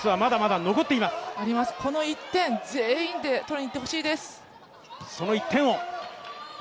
あります、この１点、全員で取りにいってほしいです。